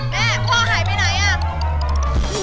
แม่พ่อหายไปไหนอ่ะ